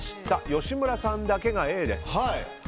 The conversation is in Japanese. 吉村さんだけがＡです。